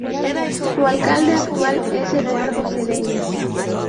Su alcalde actual es Eduardo Cedeño.